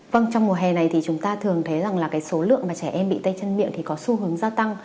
vâng trong mùa hè này thì chúng ta thường thấy rằng là cái số lượng mà trẻ em bị tay chân miệng thì có xu hướng gia tăng